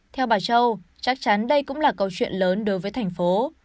theo bà châu chắc chắn đây cũng là câu chuyện lớn đối với thành phố